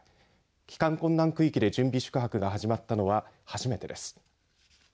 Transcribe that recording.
帰還困難区域で準備宿泊が始まったのは、初めてです。